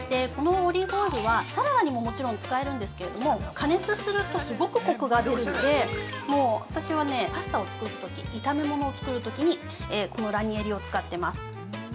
このオリーブオイルはサラダにも、もちろん使えるんですけども加熱するとすごくコクが出るので私は、パスタを作るとき炒め物を作るときにこのラニエリを使ってます。